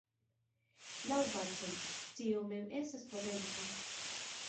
Laŭ Bacon, "scio mem estas potenco".